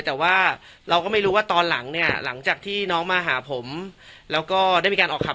แต่ว่าเราก็ไม่รู้ว่าตอนหลังเนี่ยหลังจากที่น้องมาหาผมแล้วก็ได้มีการออกขับ